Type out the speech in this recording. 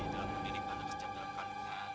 dalam penitipan yang sejauh terangkan